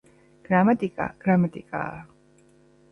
გრამატიკა გრამატიკაა